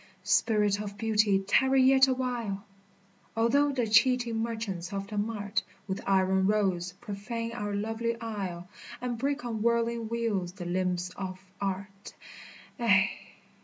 Spirit of Beauty tarry yet awhile ! Although the cheating merchants of the mart With iron roads profane our lovely isle, And break on whirling wheels the limbs of Art, Ay